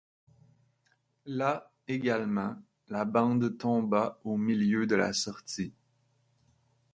Là, également, la bande tomba au milieu de la sortie.